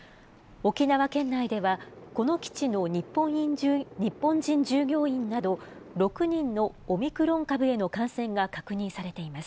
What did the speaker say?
沖縄県内では、この基地の日本人従業員など、６人のオミクロン株への感染が確認されています。